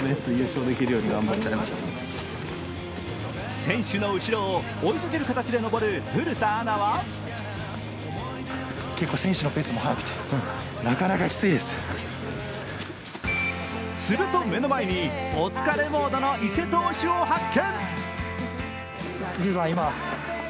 選手の後ろを追いかける形で登る古田アナはすると、目の前にお疲れモードの伊勢投手を発見。